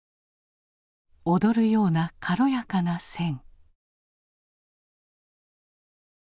躍るような軽やかな線。